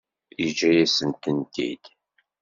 Yeǧǧa-yasent-t-id?